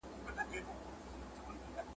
د سبا سبا په هیله ځواني شپو راڅخه یو وړه !.